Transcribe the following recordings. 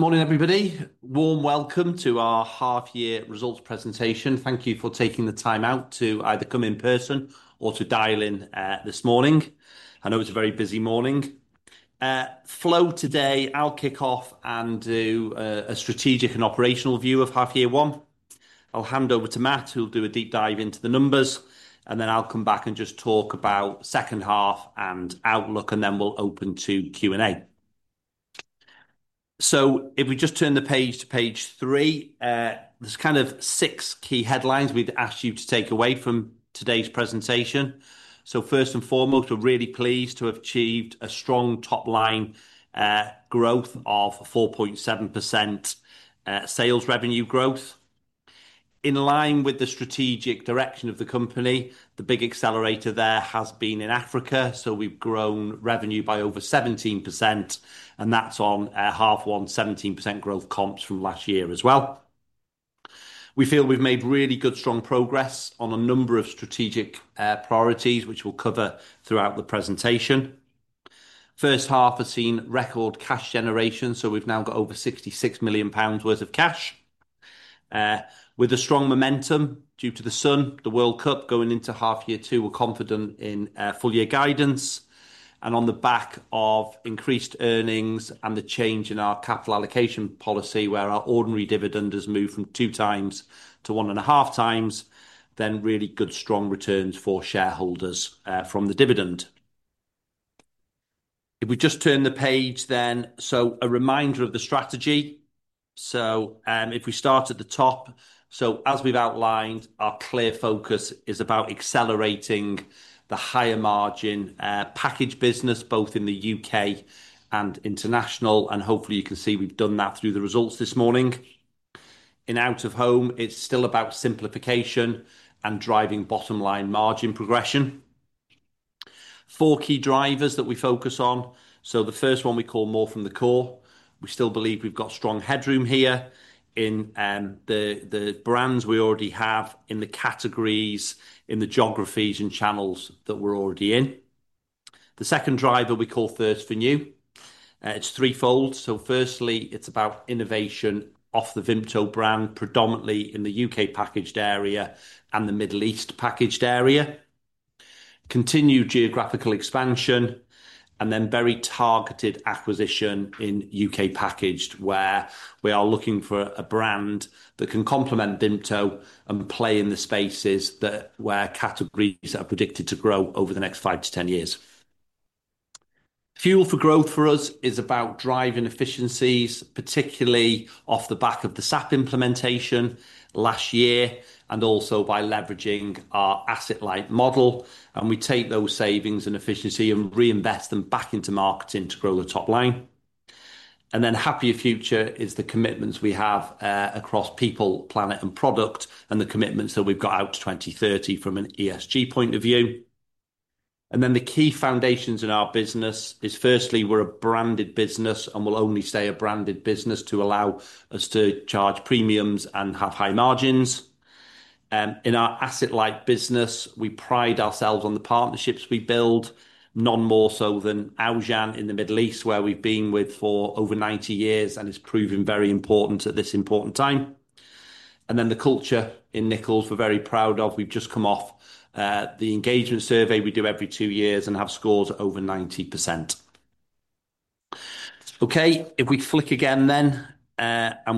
Morning, everybody. Warm welcome to our half-year results presentation. Thank you for taking the time out to either come in person or to dial in this morning. I know it's a very busy morning. Flow today, I'll kick off and do a strategic and operational view of half year one. I'll hand over to Matt, who'll do a deep dive into the numbers, and then I'll come back and just talk about second half and outlook, and then we'll open to Q&A. If we just turn the page to page three, there's kind of six key headlines we'd asked you to take away from today's presentation. First and foremost, we're really pleased to have achieved a strong top line growth of 4.7% sales revenue growth. In line with the strategic direction of the company, the big accelerator there has been in Africa. We've grown revenue by over 17%, and that's on half one, 17% growth comps from last year as well. We feel we've made really good, strong progress on a number of strategic priorities, which we'll cover throughout the presentation. First half has seen record cash generation. We've now got over 66 million pounds worth of cash. With a strong momentum due to the sun, the World Cup going into half year two, we're confident in full year guidance. On the back of increased earnings and the change in our capital allocation policy, where our ordinary dividend has moved from 2x to 1.5x, really good, strong returns for shareholders from the dividend. If we just turn the page then, a reminder of the strategy. If we start at the top, as we've outlined, our clear focus is about accelerating the higher margin package business, both in the U.K. and international, and hopefully you can see we've done that through the results this morning. In Out-of-Home, it's still about simplification and driving bottom line margin progression. Four key drivers that we focus on. The first one we call more from the core. We still believe we've got strong headroom here in the brands we already have, in the categories, in the geographies and channels that we're already in. The second driver we call first for new. It's threefold. Firstly, it's about innovation off the Vimto brand, predominantly in the U.K. Packaged area and the Middle East packaged area. Continued geographical expansion. Then very targeted acquisition in U.K. Packaged, where we are looking for a brand that can complement Vimto and play in the spaces that where categories are predicted to grow over the next 5-10 years. Fuel for growth for us is about driving efficiencies, particularly off the back of the SAP implementation last year, and also by leveraging our asset light model. We take those savings and efficiency and reinvest them back into marketing to grow the top line. Happier future is the commitments we have across people, planet, and product, and the commitments that we've got out to 2030 from an ESG point of view. The key foundations in our business is firstly, we're a branded business and will only stay a branded business to allow us to charge premiums and have high margins. In our asset light business, we pride ourselves on the partnerships we build, none more so than Aujan in the Middle East, where we've been with for over 90 years, and it's proven very important at this important time. The culture in Nichols we're very proud of. We've just come off the engagement survey we do every two years and have scored over 90%. If we flick again then,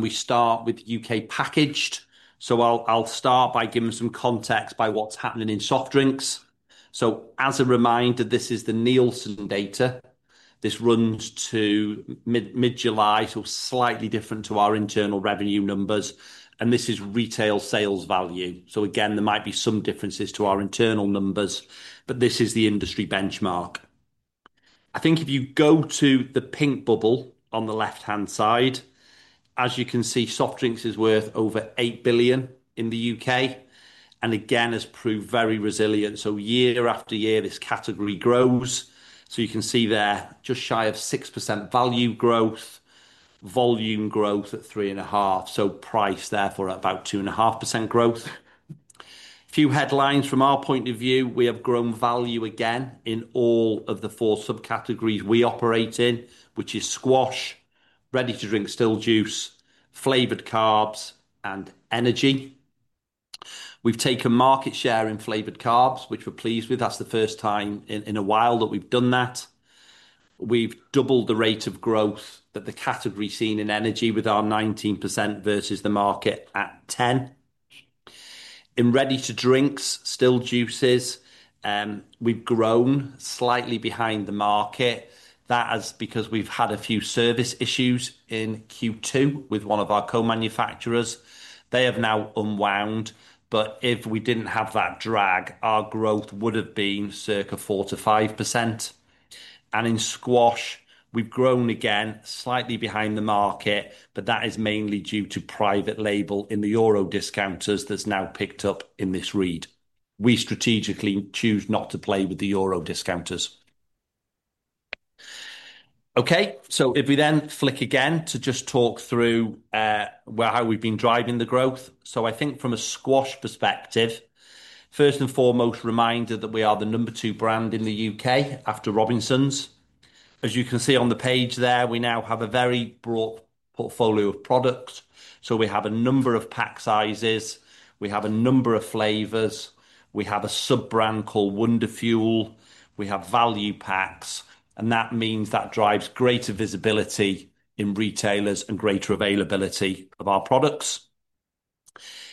we start with U.K. Packaged. I'll start by giving some context by what's happening in soft drinks. As a reminder, this is the Nielsen data. This runs to mid-July, so slightly different to our internal revenue numbers, and this is retail sales value. Again, there might be some differences to our internal numbers, but this is the industry benchmark. I think if you go to the pink bubble on the left-hand side, as you can see, soft drinks is worth over 8 billion in the U.K., and again, has proved very resilient. Year after year, this category grows. You can see there just shy of 6% value growth, volume growth at 3.5%, price there for about 2.5% growth. Few headlines from our point of view, we have grown value again in all of the four subcategories we operate in, which is Squash, ready-to-drink still juice, Flavoured Carbs, and Energy. We've taken market share in Flavoured Carbs, which we're pleased with. That's the first time in a while that we've done that. We've doubled the rate of growth that the category seen in Energy with our 19% versus the market at 10. In ready-to-drink still juices, we've grown slightly behind the market. That is because we've had a few service issues in Q2 with one of our co-manufacturers. They have now unwound, but if we didn't have that drag, our growth would have been circa 4%-5%. In Squash, we've grown again slightly behind the market, but that is mainly due to private label in the euro discounters that's now picked up in this read. We strategically choose not to play with the euro discounters. If we then flick again to just talk through how we've been driving the growth. I think from a Squash perspective, first and foremost, reminder that we are the number two brand in the U.K. after Robinsons. As you can see on the page there, we now have a very broad portfolio of products. We have a number of pack sizes, we have a number of flavors, we have a sub-brand called Wonderfuel, we have value packs, and that means that drives greater visibility in retailers and greater availability of our products.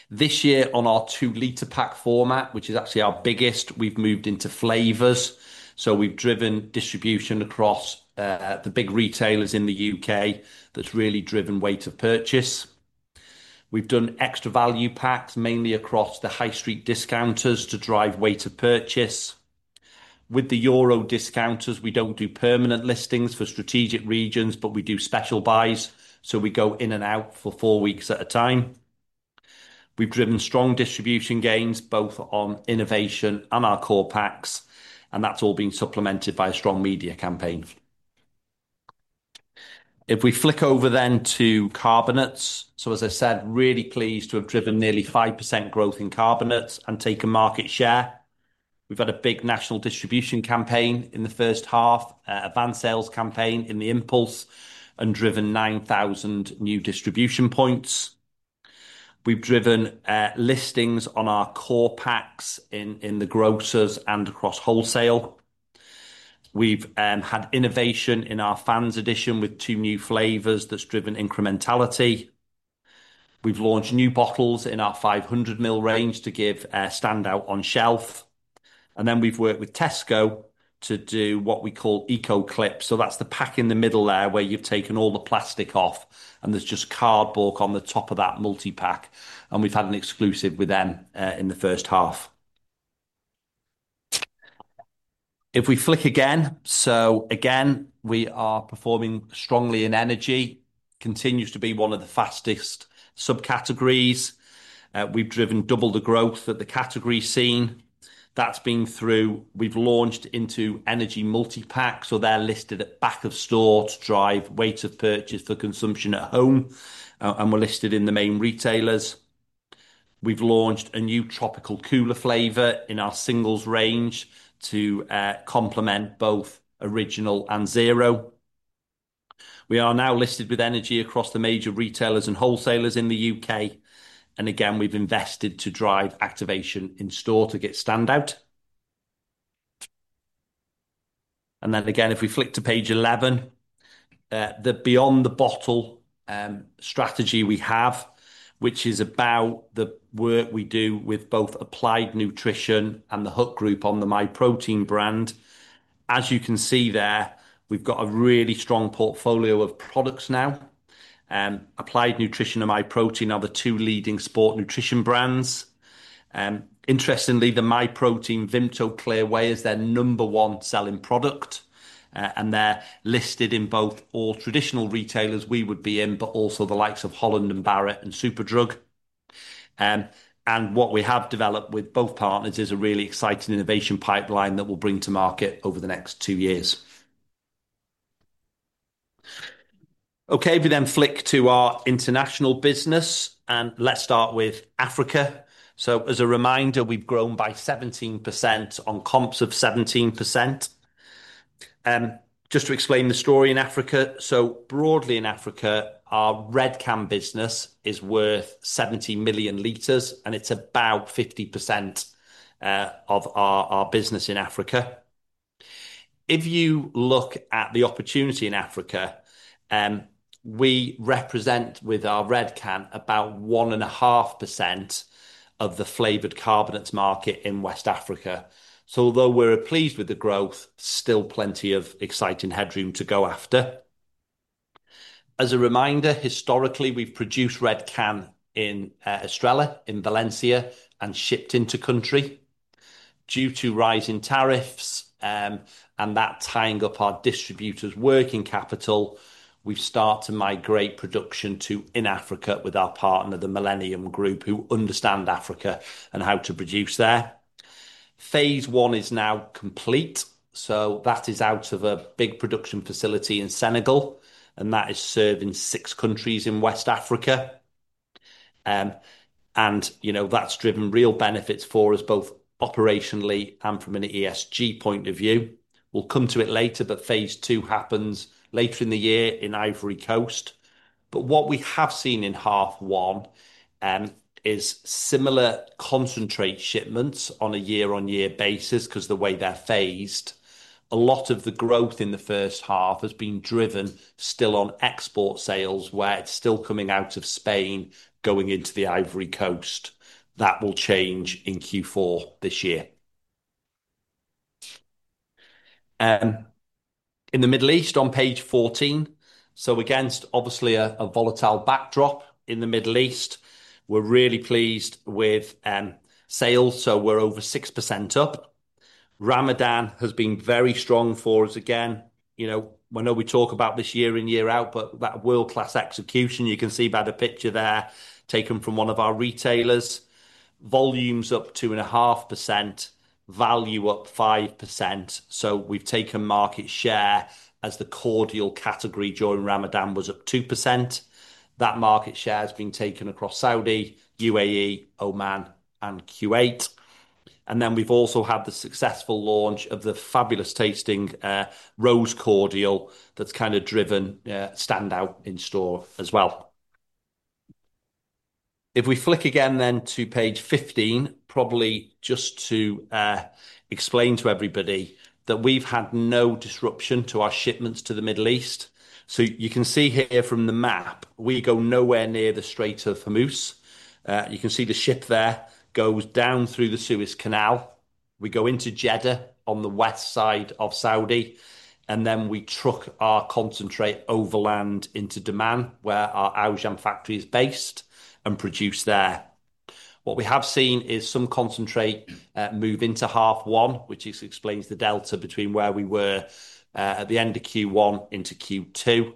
This year on our 2 L pack format, which is actually our biggest, we've moved into flavors. We've driven distribution across the big retailers in the U.K. that's really driven weight of purchase. We've done extra value packs, mainly across the high street discounters to drive weight of purchase. With the euro discounters, we don't do permanent listings for strategic regions, but we do special buys, so we go in and out for four weeks at a time. We've driven strong distribution gains both on innovation and our core packs, and that's all been supplemented by a strong media campaign. If we flick over then to Carbonates. As I said, really pleased to have driven nearly 5% growth in Carbonates and taken market share. We've had a big national distribution campaign in the first half, a van sales campaign in the impulse, and driven 9,000 new distribution points. We've driven listings on our core packs in the grocers and across wholesale. We've had innovation in our Fans' Edition with two new flavors that's driven incrementality. We've launched new bottles in our 500 ml range to give standout on shelf. We've worked with Tesco to do what we call eco clip. That's the pack in the middle there where you've taken all the plastic off and there's just cardboard on the top of that multi-pack, and we've had an exclusive with them in the first half. If we flick again. Again, we are performing strongly in Energy, continues to be one of the fastest subcategories. We've driven double the growth that the category's seen. That's been through, we've launched into Energy multi-pack, so they're listed at back of store to drive weight of purchase for consumption at home. We're listed in the main retailers. We've launched a new tropical cooler flavor in our singles range to complement both original and zero. We are now listed with Energy across the major retailers and wholesalers in the U.K. Again, we've invested to drive activation in-store to get standout. Again, if we flick to page 11, the beyond the bottle strategy we have, which is about the work we do with both Applied Nutrition and The Hut Group on the Myprotein brand. As you can see there, we've got a really strong portfolio of products now. Applied Nutrition and Myprotein are the two leading sport nutrition brands. Interestingly, the Myprotein Vimto Clear Whey is their number one selling product, and they're listed in both all traditional retailers we would be in, but also the likes of Holland & Barrett and Superdrug. What we have developed with both partners is a really exciting innovation pipeline that we'll bring to market over the next two years. If we flick to our international business, let's start with Africa. As a reminder, we've grown by 17% on comps of 17%. Just to explain the story in Africa. Broadly in Africa, our Red Can business is worth 70 million liters, and it's about 50% of our business in Africa. If you look at the opportunity in Africa, we represent with our Red Can about 1.5% of the Flavoured Carbonates market in West Africa. Although we're pleased with the growth, still plenty of exciting headroom to go after. As a reminder, historically, we've produced Red Can in Estrella in Valencia and shipped into country. Due to rising tariffs, and that tying up our distributors' working capital, we've start to migrate production to in Africa with our partner, Millennium, who understand Africa and how to produce there. Phase 1 is now complete, that is out of a big production facility in Senegal, and that is serving six countries in West Africa. That's driven real benefits for us both operationally and from an ESG point of view. We'll come to it later. Phase 2 happens later in the year in Ivory Coast. What we have seen in half one is similar concentrate shipments on a year-on-year basis because the way they are phased, a lot of the growth in the first half has been driven still on export sales, where it is still coming out of Spain, going into the Ivory Coast. That will change in Q4 this year. In the Middle East on page 14, against obviously a volatile backdrop in the Middle East, we are really pleased with sales. We are over 6% up. Ramadan has been very strong for us. Again, I know we talk about this year in, year out, but that world-class execution, you can see by the picture there taken from one of our retailers. Volumes up 2.5%, value up 5%, so we have taken market share as the cordial category during Ramadan was up 2%. That market share has been taken across Saudi, UAE, Oman, and Kuwait. We have also had the successful launch of the fabulous tasting rose cordial that has kind of driven standout in store as well. If we flick again to page 15, probably just to explain to everybody that we have had no disruption to our shipments to the Middle East. You can see here from the map, we go nowhere near the Strait of Hormuz. You can see the ship there goes down through the Suez Canal. We go into Jeddah on the west side of Saudi, and then we truck our concentrate overland into Dammam, where our Aujan factory is based, and produce there. What we have seen is some concentrate move into half one, which explains the delta between where we were at the end of Q1 into Q2.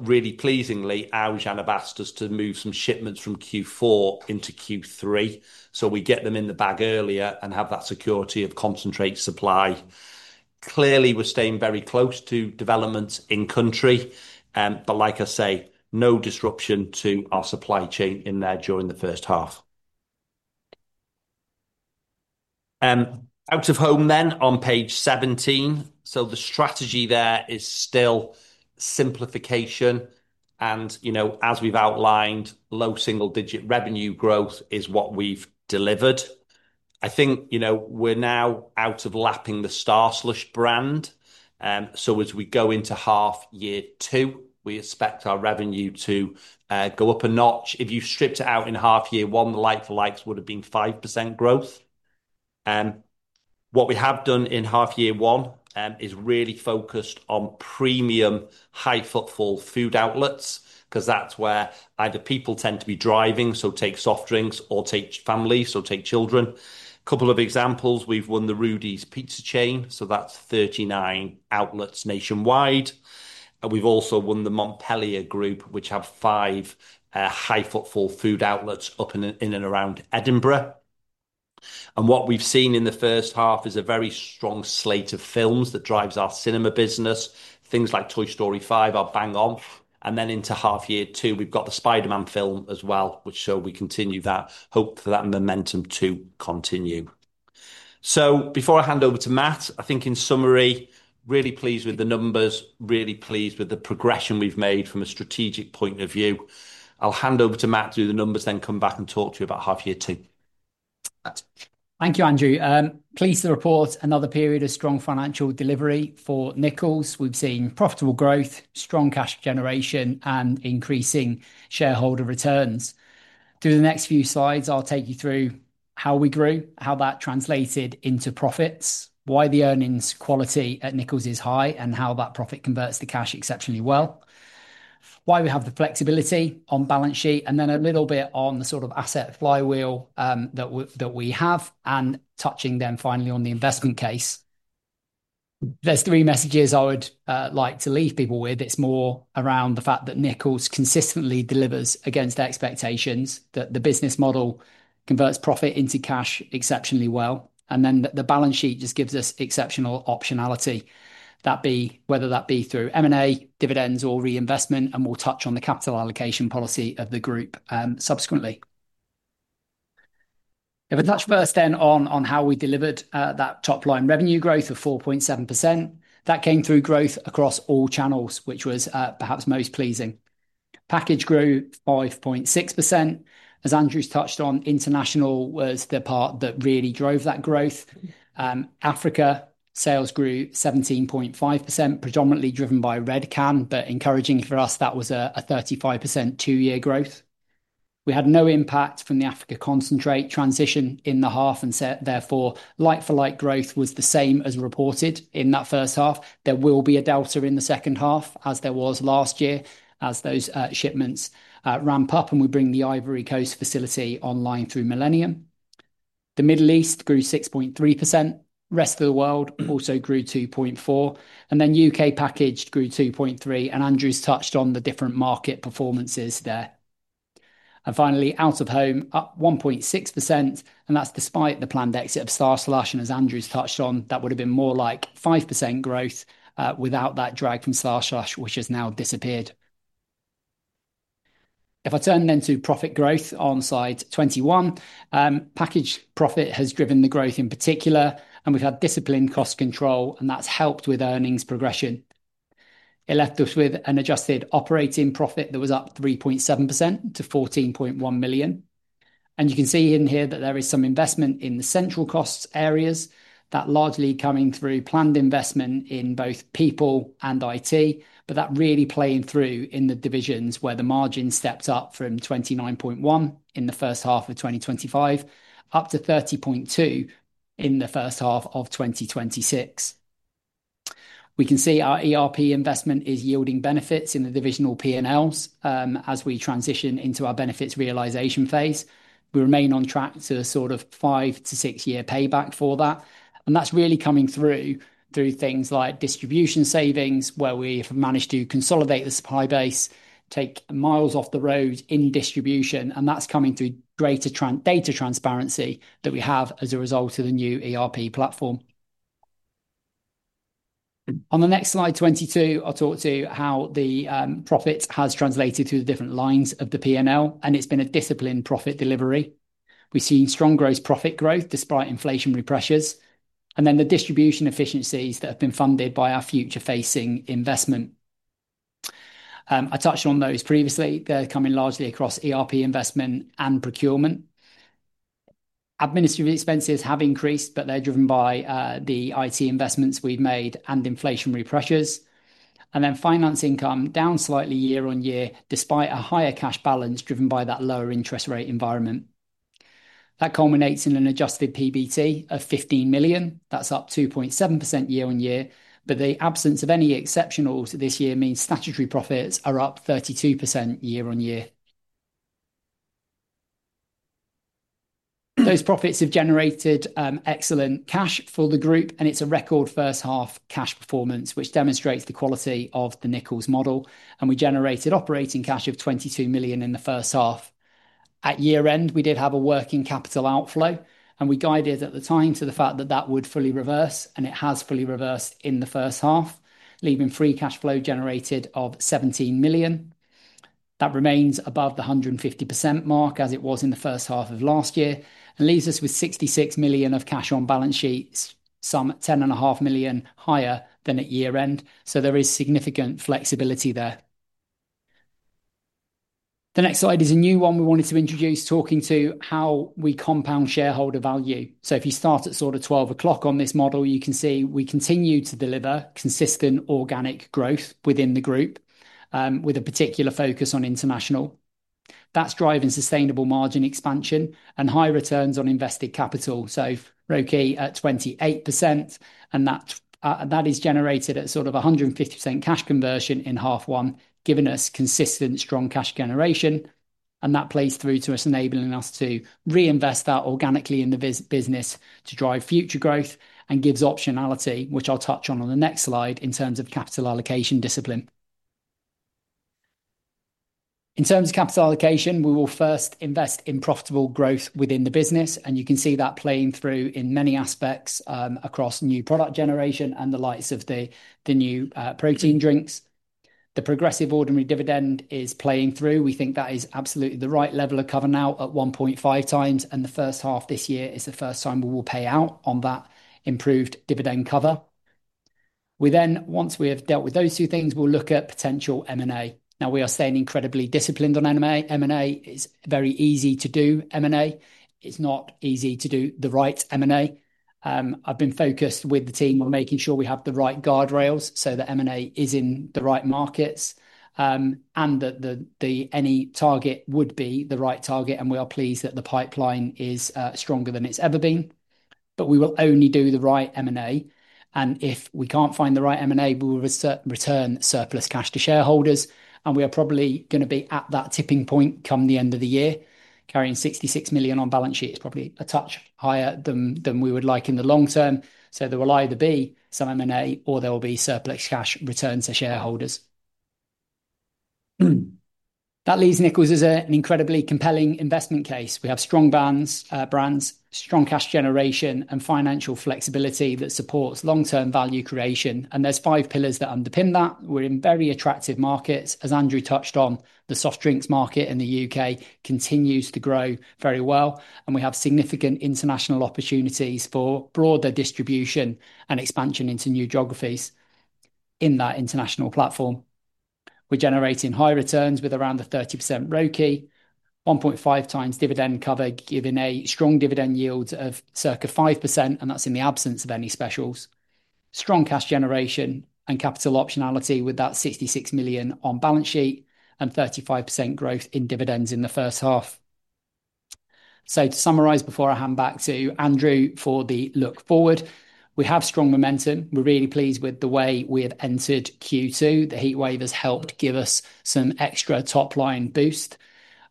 Really pleasingly, Aujan have asked us to move some shipments from Q4 into Q3. We get them in the bag earlier and have that security of concentrate supply. Clearly, we are staying very close to developments in country. Like I say, no disruption to our supply chain in there during the first half. Out-of-Home on page 17. The strategy there is still simplification and, as we have outlined, low single digit revenue growth is what we have delivered. I think we are now out of lapping the Starslush brand. As we go into half year two, we expect our revenue to go up a notch. If you stripped it out in half year one, the like for likes would have been 5% growth. What we have done in half year one is really focused on premium high footfall food outlets, because that is where either people tend to be driving, so take soft drinks or take family, so take children. Couple of examples. We have won the Rudy's pizza chain, so that is 39 outlets nationwide. We have also won the Montpeliers group, which have five high footfall food outlets up in and around Edinburgh. What we have seen in the first half is a very strong slate of films that drives our cinema business. Things like "Toy Story 5" are bang on. Into half year two, we have got the "Spider-Man" film as well, which we continue that hope for that momentum to continue. Before I hand over to Matt, I think in summary, really pleased with the numbers, really pleased with the progression we have made from a strategic point of view. I will hand over to Matt, do the numbers, then come back and talk to you about half year two. Matt. Thank you, Andrew. Pleased to report another period of strong financial delivery for Nichols. We've seen profitable growth, strong cash generation, and increasing shareholder returns. Through the next few slides, I'll take you through how we grew, how that translated into profits, why the earnings quality at Nichols is high, and how that profit converts to cash exceptionally well, why we have the flexibility on balance sheet, and then a little bit on the sort of asset flywheel that we have, and touching then finally on the investment case. There's three messages I would like to leave people with. It's more around the fact that Nichols consistently delivers against their expectations, that the business model converts profit into cash exceptionally well, and then that the balance sheet just gives us exceptional optionality, whether that be through M&A, dividends or reinvestment, and we'll touch on the capital allocation policy of the group subsequently. If I touch first then on how we delivered that top line revenue growth of 4.7%. That came through growth across all channels, which was perhaps most pleasing. Packaged grew 5.6%. As Andrew's touched on, international was the part that really drove that growth. Africa sales grew 17.5%, predominantly driven by Vimto Red Can, but encouraging for us, that was a 35% two-year growth. We had no impact from the Africa concentrate transition in the half, and therefore, like-for-like growth was the same as reported in that first half. There will be a delta in the second half, as there was last year, as those shipments ramp up and we bring the Ivory Coast facility online through Millennium. The Middle East grew 6.3%. Rest of the world also grew 2.4%. U.K. Packaged grew 2.3%, and Andrew's touched on the different market performances there. Finally, Out-of-Home up 1.6%, and that's despite the planned exit of Starslush, and as Andrew's touched on, that would have been more like 5% growth without that drag from Starslush, which has now disappeared. If I turn then to profit growth on slide 21. Packaged profit has driven the growth in particular, and we've had disciplined cost control, and that's helped with earnings progression. It left us with an adjusted operating profit that was up 3.7% to 14.1 million. You can see in here that there is some investment in the central cost areas, that largely coming through planned investment in both people and IT, but that really playing through in the divisions where the margin stepped up from 29.1% in the first half of 2025, up to 30.2% in the first half of 2026. We can see our ERP investment is yielding benefits in the divisional P&Ls as we transition into our benefits realization phase. We remain on track to sort of five to six-year payback for that, and that's really coming through things like distribution savings, where we have managed to consolidate the supply base, take miles off the road in distribution, and that's coming through data transparency that we have as a result of the new ERP platform. On the next slide 22, I'll talk to how the profit has translated through the different lines of the P&L. It's been a disciplined profit delivery. We've seen strong gross profit growth despite inflationary pressures, the distribution efficiencies that have been funded by our future-facing investment. I touched on those previously. They're coming largely across ERP investment and procurement. Administrative expenses have increased, they're driven by the IT investments we've made and inflationary pressures. Finance income down slightly year-on-year, despite a higher cash balance driven by that lower interest rate environment. That culminates in an adjusted PBT of 15 million. That's up 2.7% year-on-year, the absence of any exceptionals this year means statutory profits are up 32% year-on-year. Those profits have generated excellent cash for the group. It's a record first-half cash performance, which demonstrates the quality of the Nichols model. We generated operating cash of 22 million in the first half. At year-end, we did have a working capital outflow. We guided at the time to the fact that that would fully reverse, it has fully reversed in the first half, leaving free cash flow generated of 17 million. That remains above the 150% mark, as it was in the first half of last year, leaves us with 66 million of cash on balance sheets, some 10.5 million higher than at year-end. There is significant flexibility there. The next slide is a new one we wanted to introduce, talking to how we compound shareholder value. If you start at sort of 12 o'clock. on this model, you can see we continue to deliver consistent organic growth within the group, with a particular focus on international. That's driving sustainable margin expansion and high returns on invested capital. ROCE at 28%, that is generated at sort of 150% cash conversion in H1, giving us consistent strong cash generation, that plays through to us enabling us to reinvest that organically in the business to drive future growth and gives optionality, which I'll touch on on the next slide in terms of capital allocation discipline. In terms of capital allocation, we will first invest in profitable growth within the business, you can see that playing through in many aspects across new product generation and the likes of the new protein drinks. The progressive ordinary dividend is playing through. We think that is absolutely the right level of cover now at 1.5x. The first half this year is the first time we will pay out on that improved dividend cover. We, once we have dealt with those two things, we'll look at potential M&A. We are staying incredibly disciplined on M&A. It's very easy to do M&A. It's not easy to do the right M&A. I've been focused with the team on making sure we have the right guardrails so that M&A is in the right markets, that any target would be the right target. We are pleased that the pipeline is stronger than it's ever been. We will only do the right M&A, and if we can't find the right M&A, we will return surplus cash to shareholders, and we are probably going to be at that tipping point come the end of the year. Carrying 66 million on balance sheet is probably a touch higher than we would like in the long term. There will either be some M&A or there will be surplus cash returned to shareholders. That leaves Nichols as an incredibly compelling investment case. We have strong brands, strong cash generation and financial flexibility that supports long-term value creation, and there's five pillars that underpin that. We're in very attractive markets. As Andrew touched on, the soft drinks market in the U.K. continues to grow very well, and we have significant international opportunities for broader distribution and expansion into new geographies in that international platform. We're generating high returns with around the 30% ROCE, 1.5x dividend cover, giving a strong dividend yield of circa 5%, and that's in the absence of any specials. Strong cash generation and capital optionality with that 66 million on balance sheet and 35% growth in dividends in the first half. To summarize, before I hand back to Andrew for the look forward, we have strong momentum. We're really pleased with the way we have entered Q2. The heat wave has helped give us some extra top-line boost.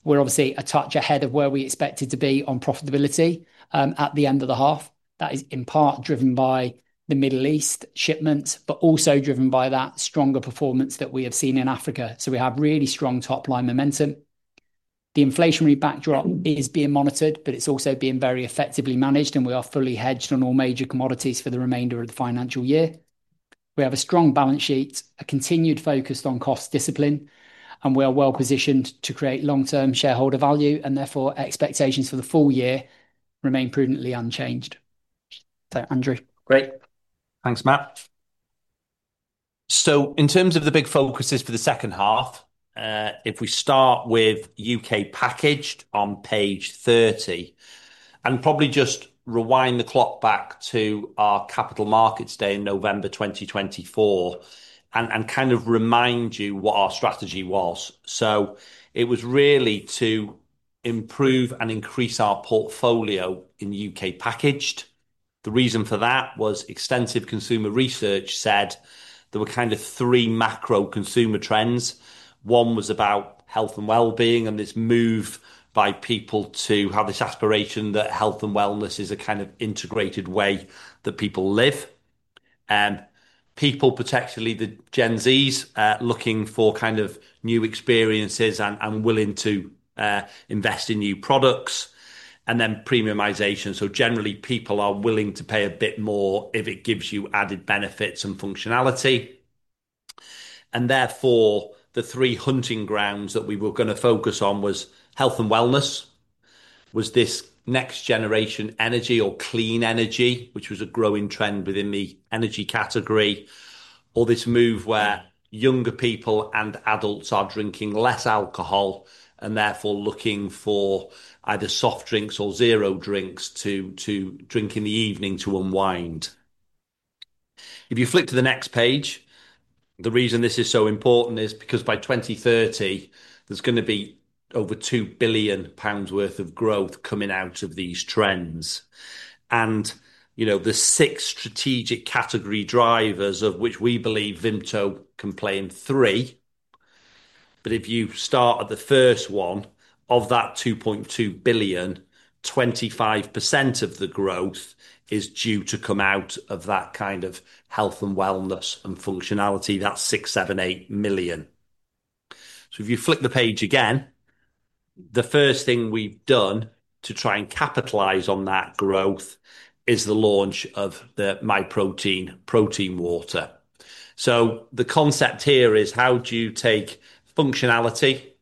We're obviously a touch ahead of where we expected to be on profitability at the end of the half. That is in part driven by the Middle East shipments, but also driven by that stronger performance that we have seen in Africa. We have really strong top-line momentum. The inflationary backdrop is being monitored, but it's also being very effectively managed, and we are fully hedged on all major commodities for the remainder of the financial year. We have a strong balance sheet, a continued focus on cost discipline, and we are well-positioned to create long-term shareholder value, and therefore, expectations for the full year remain prudently unchanged. Andrew? Great. Thanks, Matt. In terms of the big focuses for the second half, if we start with U.K. Packaged on page 30, and probably just rewind the clock back to our Capital Markets Day in November 2024, and kind of remind you what our strategy was. It was really to improve and increase our portfolio in U.K. Packaged. The reason for that was extensive consumer research said there were kind of three macro consumer trends. One was about health and well-being and this move by people to have this aspiration that health and wellness is a kind of integrated way that people live. People, potentially the Gen Zs, looking for kind of new experiences and willing to invest in new products. Premiumization, generally, people are willing to pay a bit more if it gives you added benefits and functionality. The three hunting grounds that we were going to focus on was health and wellness, was this next-generation energy or clean energy, which was a growing trend within the Energy category, or this move where younger people and adults are drinking less alcohol and therefore looking for either soft drinks or zero drinks to drink in the evening to unwind. You flick to the next page, the reason this is so important is because by 2030, there's going to be over 2 billion pounds worth of growth coming out of these trends. The six strategic category drivers, of which we believe Vimto can claim three. You start at the first one, of that 2.2 billion, 25% of the growth is due to come out of that kind of health and wellness and functionality. That's 678 million. You flick the page again, the first thing we've done to try and capitalize on that growth is the launch of the Myprotein Protein Water. The concept here is how do you take functionality,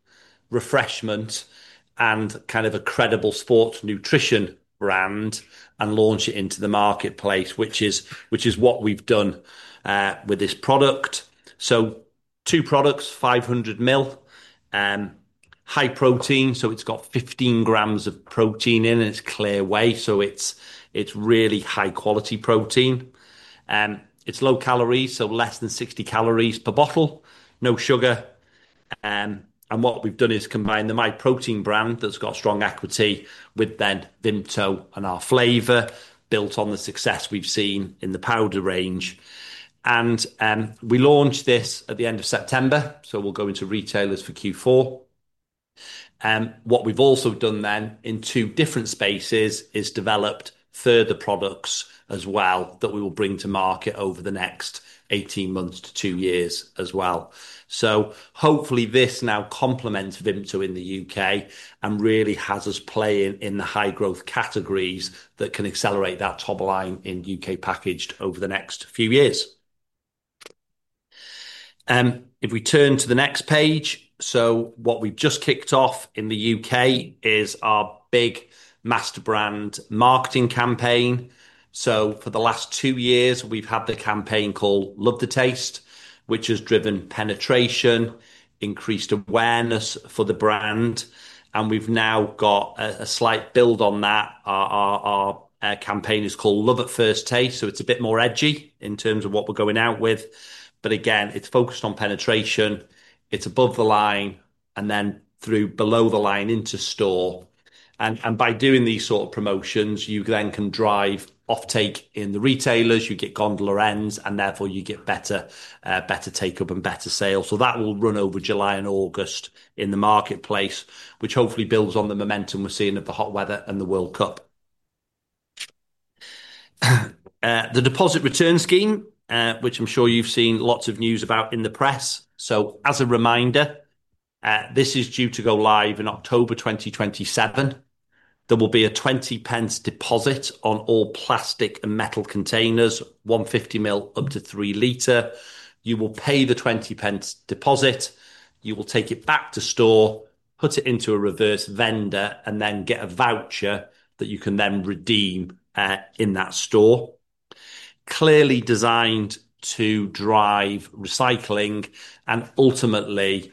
refreshment, and kind of a credible sports nutrition brand and launch it into the marketplace, which is what we've done with this product. Two products, 500 ml, high protein, so it's got 15 g of protein in, and it's Clear Whey, so it's really high-quality protein. It's low calories, so less than 60 Cal per bottle, no sugar. What we've done is combine the Myprotein brand that's got strong equity with then Vimto and our flavor, built on the success we've seen in the powder range. We launched this at the end of September, so we'll go into retailers for Q4. What we've also done then in two different spaces is developed further products as well that we will bring to market over the next 18 months to two years as well. Hopefully this now complements Vimto in the U.K. and really has us playing in the high-growth categories that can accelerate that top line in U.K. Packaged over the next few years. We turn to the next page, what we've just kicked off in the U.K. is our big master brand marketing campaign. For the last two years, we've had the campaign called Love the Taste, which has driven penetration, increased awareness for the brand, and we've now got a slight build on that. Our campaign is called Love at First Taste, so it's a bit more edgy in terms of what we're going out with. Again, it's focused on penetration. It's above the line and then through below the line into store. By doing these sort of promotions, you then can drive offtake in the retailers, you get gondola ends, and therefore you get better take-up and better sales. That will run over July and August in the marketplace, which hopefully builds on the momentum we're seeing of the hot weather and the World Cup. The deposit return scheme, which I'm sure you've seen lots of news about in the press. As a reminder, this is due to go live in October 2027. There will be a 0.20 deposit on all plastic and metal containers, 150 ml up to 3 L. You will pay the 0.20 deposit, you will take it back to store, put it into a reverse vendor, and then get a voucher that you can then redeem in that store. Clearly designed to drive recycling and ultimately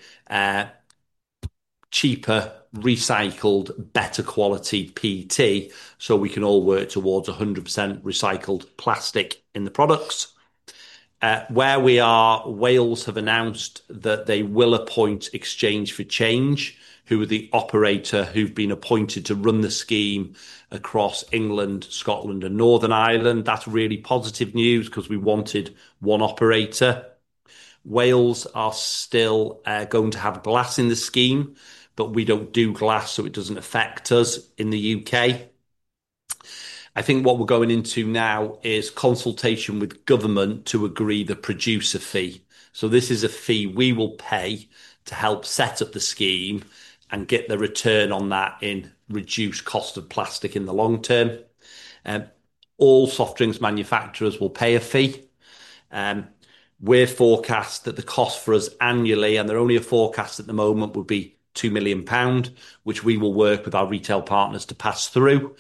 cheaper, recycled, better quality PET so we can all work towards 100% recycled plastic in the products. Where we are, Wales have announced that they will appoint Exchange for Change, who've been appointed to run the scheme across England, Scotland, and Northern Ireland. That's really positive news because we wanted one operator. Wales are still going to have glass in the scheme, but we don't do glass, so it doesn't affect us in the U.K. I think what we're going into now is consultation with government to agree the producer fee. This is a fee we will pay to help set up the scheme and get the return on that in reduced cost of plastic in the long term. All soft drinks manufacturers will pay a fee. We're forecast that the cost for us annually, and they're only a forecast at the moment, would be 2 million pound, which we will work with our retail partners to pass through.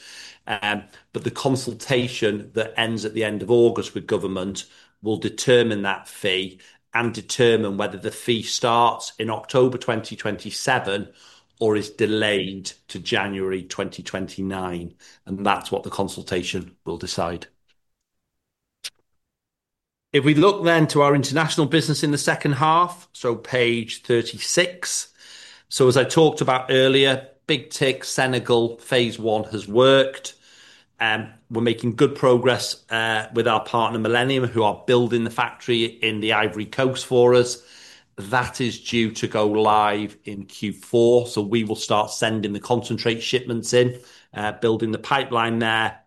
The consultation that ends at the end of August with government will determine that fee and determine whether the fee starts in October 2027 or is delayed to January 2029, and that's what the consultation will decide. If we look then to our international business in the second half, page 36. As I talked about earlier, big tick, Senegal Phase 1 has worked. We're making good progress with our partner Millennium, who are building the factory in the Ivory Coast for us. That is due to go live in Q4, so we will start sending the concentrate shipments in, building the pipeline there.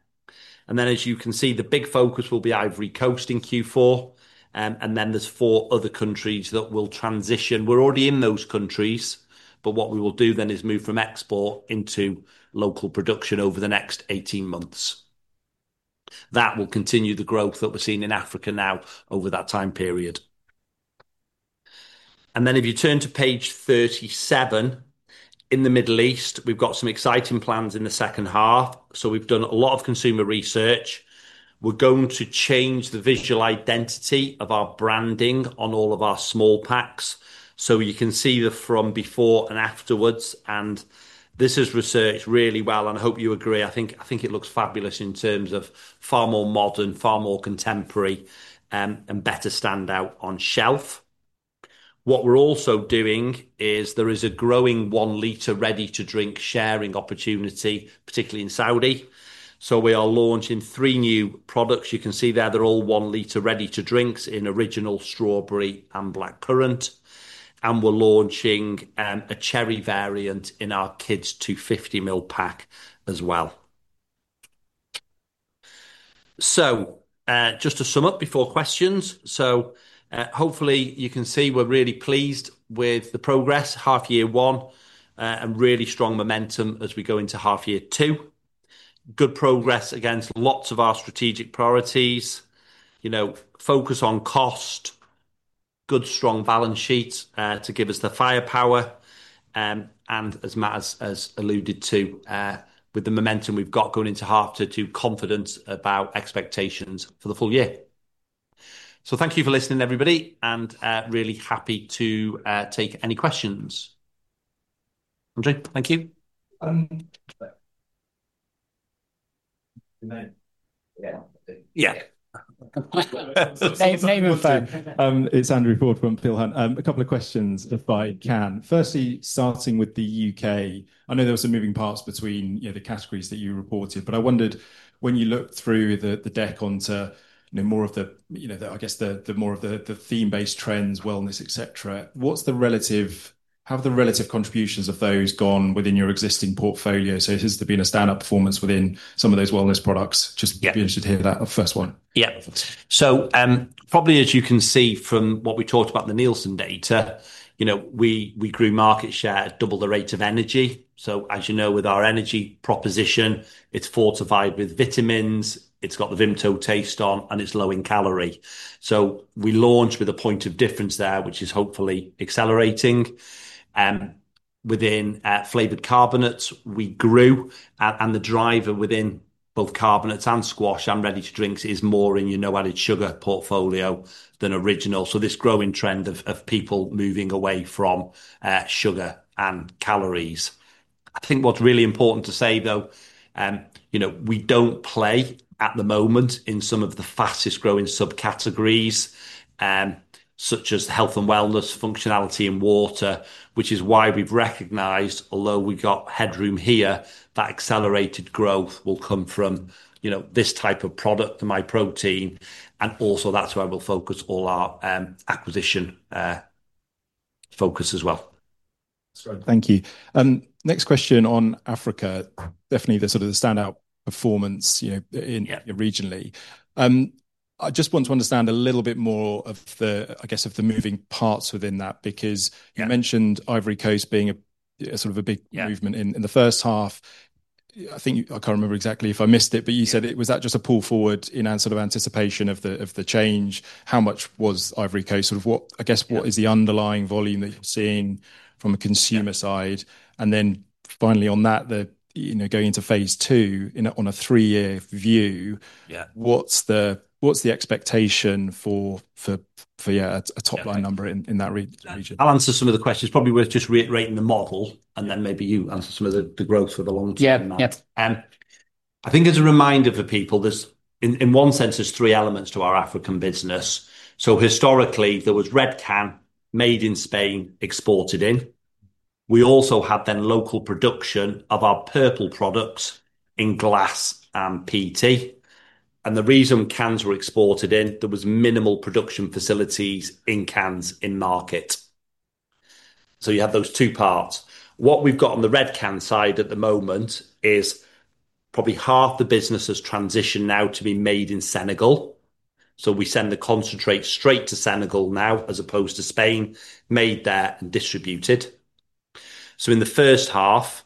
As you can see, the big focus will be Ivory Coast in Q4, and then there's four other countries that we'll transition. We're already in those countries, but what we will do then is move from export into local production over the next 18 months. That will continue the growth that we're seeing in Africa now over that time period. If you turn to page 37, in the Middle East, we've got some exciting plans in the second half. We've done a lot of consumer research. We're going to change the visual identity of our branding on all of our small packs. You can see the from before and afterwards. This is researched really well, and I hope you agree. I think it looks fabulous in terms of far more modern, far more contemporary, and better stand out on shelf. What we're also doing is there is a growing 1 L ready-to-drink sharing opportunity, particularly in Saudi. We are launching three new products. You can see there, they're all 1 L ready-to-drinks in original strawberry and blackcurrant. We're launching a cherry variant in our kids' 250 ml pack as well. Just to sum up before questions. Hopefully you can see we're really pleased with the progress half year one, and really strong momentum as we go into half year two. Good progress against lots of our strategic priorities. Focus on cost, good, strong balance sheet, to give us the firepower, and as Matt has alluded to, with the momentum we've got going into half to two confidence about expectations for the full year. Thank you for listening, everybody, and, really happy to take any questions. Andrew, thank you. Yeah. Yeah. Name and phone. It is Andrew Ford from Peel Hunt. A couple of questions if I can. Firstly, starting with the U.K. I know there were some moving parts between the categories that you reported, but I wondered when you looked through the deck onto more of the theme-based trends, wellness, et cetera, how have the relative contributions of those gone within your existing portfolio? Has there been a standup performance within some of those wellness products? Yeah I would be interested to hear that first one. Yeah. Probably as you can see from what we talked about the Nielsen data, we grew market share at double the rate of Energy. As you know, with our Energy proposition, it is fortified with vitamins, it has got the Vimto taste on, and it is low in calorie. We launch with a point of difference there, which is hopefully accelerating. Within Flavoured Carbonates, we grew, and the driver within both Carbonates and Squash and ready to drinks is more in your no added sugar portfolio than original. This growing trend of people moving away from sugar and calories. I think what's really important to say though, we don't play at the moment in some of the fastest growing subcategories, such as health and wellness, functionality and water, which is why we've recognized, although we've got headroom here, that accelerated growth will come from this type of product, Myprotein, and also that's where we'll focus all our acquisition focus as well. Thank you. Next question on Africa. Definitely the standout performance regionally. I just want to understand a little bit more of the moving parts within that. Yeah You mentioned Ivory Coast being a sort of a big movement in the first half. I can't remember exactly if I missed it, but you said it, was that just a pull forward in sort of anticipation of the change? How much was Ivory Coast? I guess what is the underlying volume that you're seeing from a consumer side? And then finally on that, going into Phase 2 on a three-year view. Yeah What's the expectation for a top line number in that region? I'll answer some of the questions. Probably worth just reiterating the model, then maybe you answer some of the growth for the long term. Yeah. I think as a reminder for people, in one sense, there's three elements to our African business. Historically there was Red Can made in Spain, exported in. We also had then local production of our purple products in glass and PET. The reason cans were exported in, there was minimal production facilities in cans in market. You have those two parts. What we've got on the Red Can side at the moment is probably half the business has transitioned now to be made in Senegal. We send the concentrate straight to Senegal now as opposed to Spain, made there and distributed. In the first half,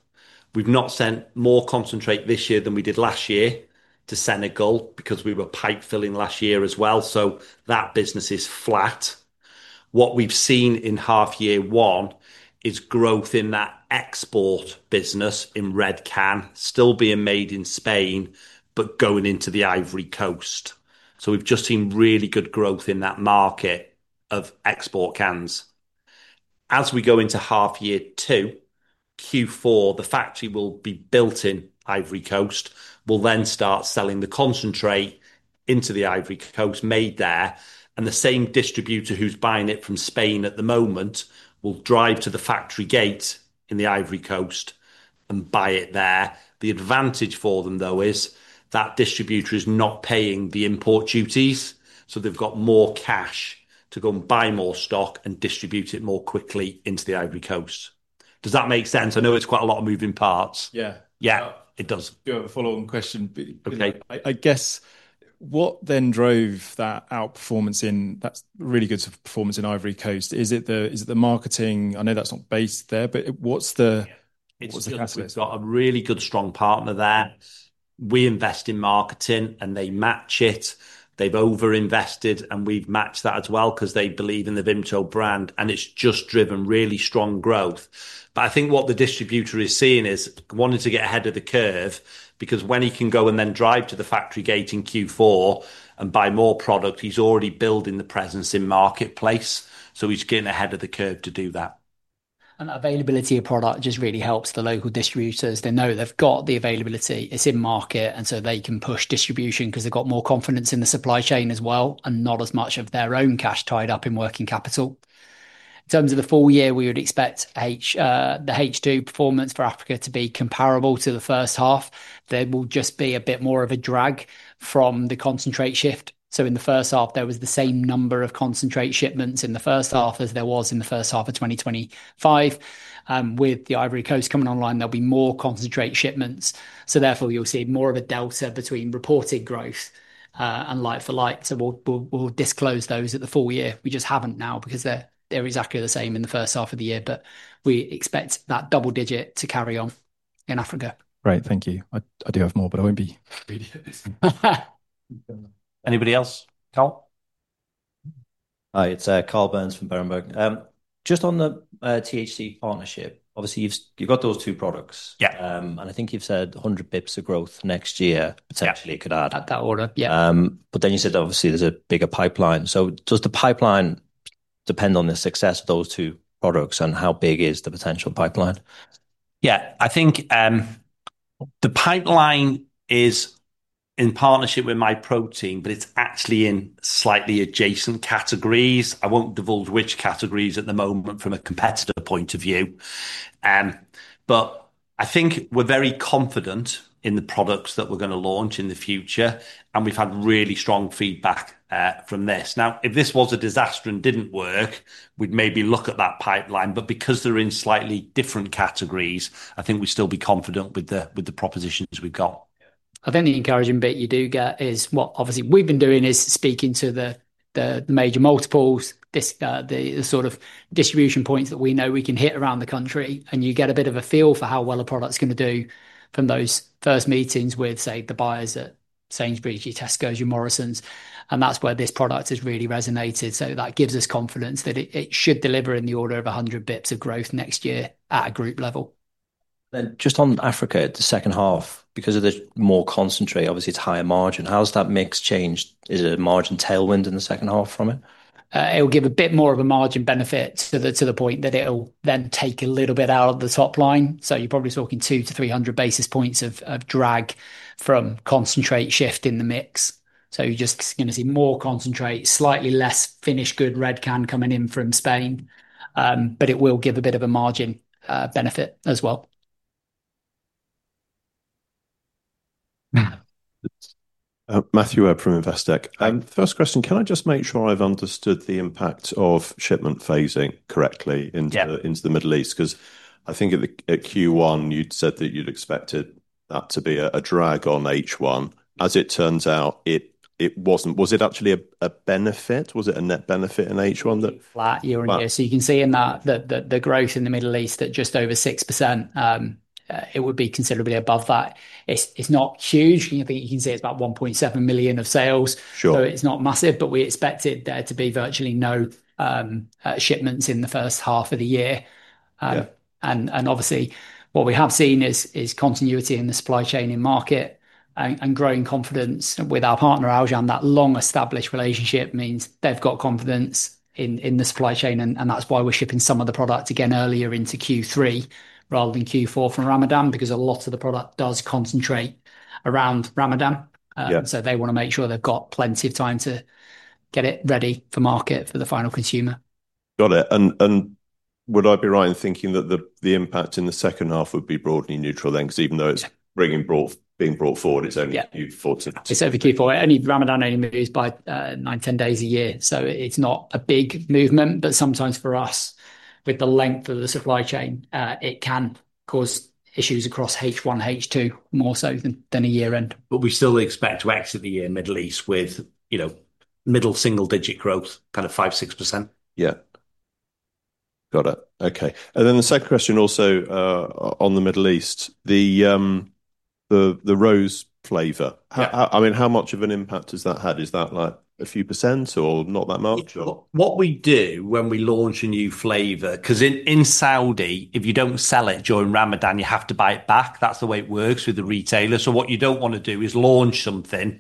we've not sent more concentrate this year than we did last year to Senegal because we were pipe filling last year as well. That business is flat. What we've seen in half year one is growth in that export business in Red Can, still being made in Spain, but going into the Ivory Coast. We've just seen really good growth in that market of export cans. As we go into half year two, Q4, the factory will be built in Ivory Coast. We'll then start selling the concentrate into the Ivory Coast made there, and the same distributor who's buying it from Spain at the moment will drive to the factory gate in the Ivory Coast and buy it there. The advantage for them though is that distributor is not paying the import duties, so they've got more cash to go and buy more stock and distribute it more quickly into the Ivory Coast. Does that make sense? I know it's quite a lot of moving parts. Yeah. Yeah. It does. Follow on question. Okay. What then drove that outperformance in, that really good performance in Ivory Coast? Is it the marketing? I know that's not based there. It's just we've got a really good strong partner there. We invest in marketing, and they match it. They've over invested, and we've matched that as well because they believe in the Vimto brand, and it's just driven really strong growth. I think what the distributor is seeing is wanting to get ahead of the curve, because when he can go and then drive to the factory gate in Q4 and buy more product, he's already building the presence in marketplace. He's getting ahead of the curve to do that. Availability of product just really helps the local distributors. They know they've got the availability, it's in market, and they can push distribution because they've got more confidence in the supply chain as well, and not as much of their own cash tied up in working capital. In terms of the full year, we would expect the H2 performance for Africa to be comparable to the first half. There will just be a bit more of a drag from the concentrate shift. In the first half, there was the same number of concentrate shipments in the first half as there was in the first half of 2025. With the Ivory Coast coming online, there'll be more concentrate shipments, therefore you'll see more of a delta between reported growth and like for like. We'll disclose those at the full year. We just haven't now because they're exactly the same in the first half of the year, we expect that double digit to carry on in Africa. Great. Thank you. I do have more, I won't be greedy at this point. Anybody else? Karl? Hi, it's Karl Burns from Berenberg. Just on the THG partnership, obviously you've got those two products. Yeah. I think you've said 100 basis points of growth next year potentially could add. At that order, yeah. You said obviously there's a bigger pipeline. Does the pipeline depend on the success of those two products, and how big is the potential pipeline? Yeah. I think the pipeline is in partnership with Myprotein, it's actually in slightly adjacent categories. I won't divulge which categories at the moment from a competitor point of view. I think we're very confident in the products that we're going to launch in the future, and we've had really strong feedback from this. If this was a disaster and didn't work, we'd maybe look at that pipeline. Because they're in slightly different categories, I think we'd still be confident with the propositions we've got. I think the encouraging bit you do get is what obviously we've been doing is speaking to the major multiples, the sort of distribution points that we know we can hit around the country, and you get a bit of a feel for how well a product's going to do from those first meetings with, say, the buyers at Sainsbury's, your Tescos, your Morrisons, and that's where this product has really resonated. That gives us confidence that it should deliver in the order of 100 basis points of growth next year at a group level. Just on Africa, the second half, because of the more concentrate, obviously it's higher margin. How's that mix changed? Is it a margin tailwind in the second half from it? It'll give a bit more of a margin benefit to the point that it'll then take a little bit out of the top line. You're probably talking two to 300 basis points of drag from concentrate shift in the mix. You're just going to see more concentrate, slightly less finished good Red Can coming in from Spain. It will give a bit of a margin benefit as well. Matt. Matthew Webb from Investec. First question, can I just make sure I've understood the impact of shipment phasing correctly into the Middle East? I think at Q1 you'd said that you'd expected that to be a drag on H1. As it turns out, it wasn't. Was it actually a benefit? Was it a net benefit in H1 that- Flat year-over-year. Well- You can see in the growth in the Middle East at just over 6%, it would be considerably above that. It's not huge. You can see it's about 1.7 million of sales. Sure. It's not massive, but we expected there to be virtually no shipments in the first half of the year. Yeah. Obviously what we have seen is continuity in the supply chain in market and growing confidence with our partner, Aujan. That long-established relationship means they've got confidence in the supply chain, and that's why we're shipping some of the product again earlier into Q3 rather than Q4 for Ramadan, because a lot of the product does concentrate around Ramadan. Yeah. They want to make sure they've got plenty of time to get it ready for market for the final consumer. Got it. Would I be right in thinking that the impact in the second half would be broadly neutral then? Because even though it's being brought forward, it's only a few percentage. It's only for Q4. Ramadan only moves by nine, 10 days a year, so it's not a big movement, but sometimes for us, with the length of the supply chain, it can cause issues across H1, H2 more so than a year end. We still expect to exit the year in Middle East with middle single digit growth, kind of 5%-6%. Yeah. Got it. Okay. The second question also on the Middle East. The rose flavor. Yeah. How much of an impact has that had? Is that a few percents or not that much or? What we do when we launch a new flavor, because in Saudi, if you don't sell it during Ramadan, you have to buy it back. That's the way it works with the retailer. What you don't want to do is launch something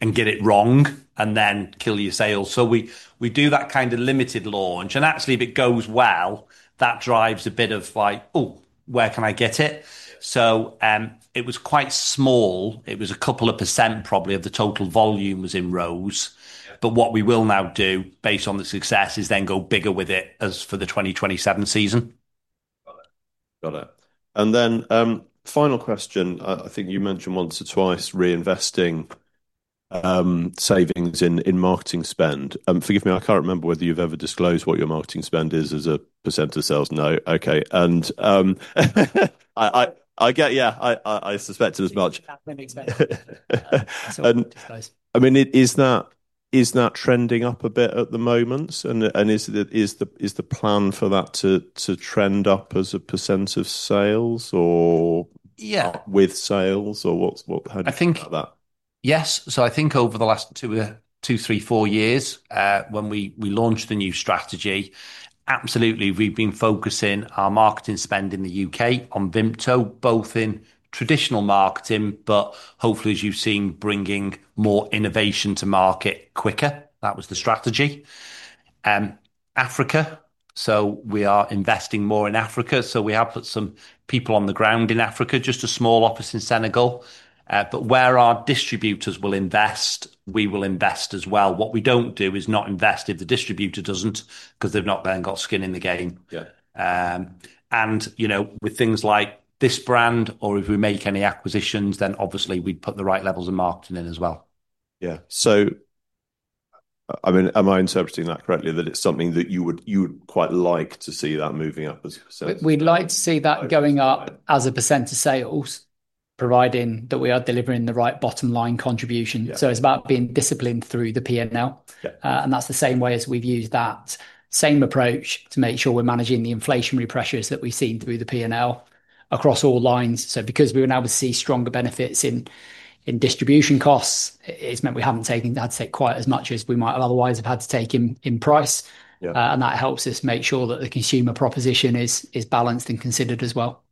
and get it wrong and then kill your sales. We do that kind of limited launch, and actually, if it goes well, that drives a bit of like, "Oh, where can I get it? Yeah. It was quite small. It was a couple of percent probably of the total volume was in rose. Yeah. What we will now do, based on the success, is then go bigger with it as for the 2027 season. Got it. Got it. Then final question. I think you mentioned once or twice reinvesting savings in marketing spend. Forgive me, I can't remember whether you've ever disclosed what your marketing spend is as a percent of sales. No. Okay. I get, yeah, I suspected as much. It's a big marketing spend. We won't disclose. Is that trending up a bit at the moment? Is the plan for that to trend up as a percent of sales or- Yeah -with sales? How do you feel about that? Yes. I think over the last two, three, four years, when we launched the new strategy, absolutely we've been focusing our marketing spend in the U.K. on Vimto, both in traditional marketing, but hopefully as you've seen, bringing more innovation to market quicker. That was the strategy. Africa, we are investing more in Africa, we have put some people on the ground in Africa, just a small office in Senegal. Where our distributors will invest, we will invest as well. What we don't do is not invest if the distributor doesn't, because they've not then got skin in the game. Yeah. With things like this brand or if we make any acquisitions, obviously we'd put the right levels of marketing in as well. Yeah. Am I interpreting that correctly that it's something that you would quite like to see that moving up as a percent of sales. We'd like to see that going up as a percent of sales, providing that we are delivering the right bottom line contribution. Yeah. It's about being disciplined through the P&L. Yeah. That's the same way as we've used that same approach to make sure we're managing the inflationary pressures that we've seen through the P&L across all lines. Because we were now able to see stronger benefits in distribution costs, it's meant we haven't had to take quite as much as we might have otherwise have had to take in price. Yeah. That helps us make sure that the consumer proposition is balanced and considered as well.